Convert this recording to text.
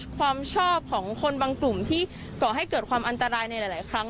ความชอบของคนบางกลุ่มที่ก่อให้เกิดความอันตรายในหลายครั้ง